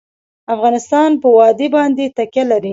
افغانستان په وادي باندې تکیه لري.